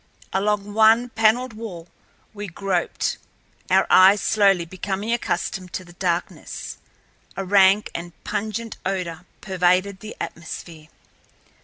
Along one paneled wall we groped, our eyes slowly becoming accustomed to the darkness. A rank and pungent odor pervaded the atmosphere.